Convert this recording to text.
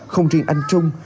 không riêng anh trung